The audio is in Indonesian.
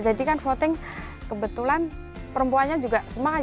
jadi kan voting kebetulan perempuannya juga semangat